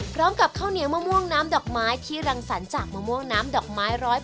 พร้อมกับข้าวเหนียวมะม่วงน้ำดอกไม้ที่รังสรรค์จากมะม่วงน้ำดอกไม้๑๐